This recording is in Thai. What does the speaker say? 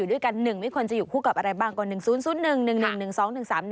อยู่ด้วยกันหนึ่งไม่ควรจะอยู่คู่กับอะไรบ้างกว่า